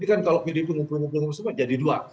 ini kan kalau pdp ngumpul ngumpul semua jadi dua